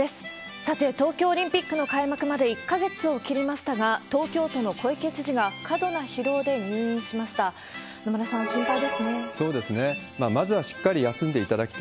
さて、東京オリンピックの開幕まで１か月を切りましたが、東京都の小池知事が過度な疲労で入院しました。